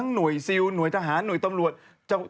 หน่วยทหารหน่วยตำรวจ